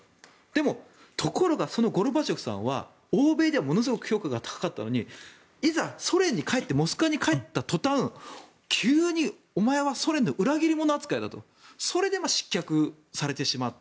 でも、ところがゴルバチョフさんは欧米ではものすごく評価が高かったのにいざソ連に帰ってモスクワに帰った途端お前は裏切り者だとして失脚したと。